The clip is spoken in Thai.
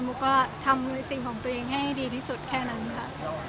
ุ๊กก็ทำในสิ่งของตัวเองให้ดีที่สุดแค่นั้นค่ะ